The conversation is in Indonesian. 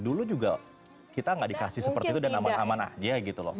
dulu juga kita nggak dikasih seperti itu dan aman aman aja gitu loh